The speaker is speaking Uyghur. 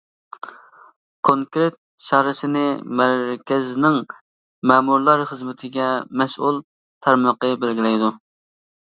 كونكرېت چارىسىنى مەركەزنىڭ مەمۇرلار خىزمىتىگە مەسئۇل تارمىقى بەلگىلەيدۇ.